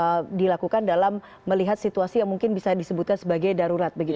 apakah ini juga bisa dilakukan dalam melihat situasi yang mungkin bisa disebutkan sebagai darurat begitu